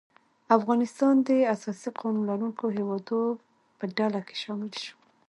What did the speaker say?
افغانستان د اساسي قانون لرونکو هیوادو په ډله کې شامل شو.